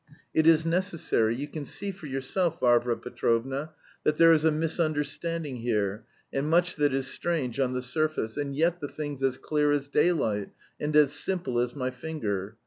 "It is necessary. You can see for yourself, Varvara Petrovna, that there is a misunderstanding here, and much that is strange on the surface, and yet the thing's as clear as daylight, and as simple as my finger.